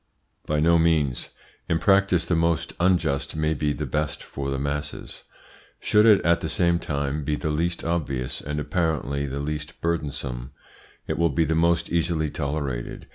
By no means. In practice the most unjust may be the best for the masses. Should it at the same time be the least obvious, and apparently the least burdensome, it will be the most easily tolerated.